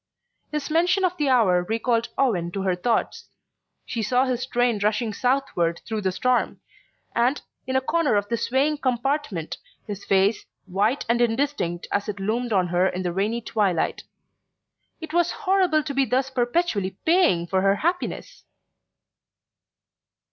His mention of the hour recalled Owen to her thoughts. She saw his train rushing southward through the storm, and, in a corner of the swaying compartment, his face, white and indistinct as it had loomed on her in the rainy twilight. It was horrible to be thus perpetually paying for her happiness!